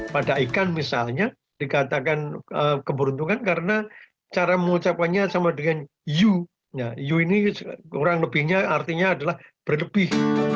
pada ikan misalnya dikatakan keberuntungan karena cara mengucapkannya sama dengan u ini kurang lebihnya artinya adalah berlebih